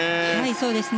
そうですね。